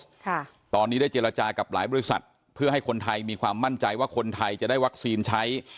ค่ะตอนนี้ได้เจรจากับหลายบริษัทเพื่อให้คนไทยมีความมั่นใจว่าคนไทยจะได้วัคซีนใช้